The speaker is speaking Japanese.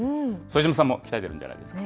副島さんも鍛えてるんじゃないですか？